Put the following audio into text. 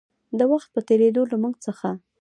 د وخـت پـه تېـرېدو لـه مـوږ څـخـه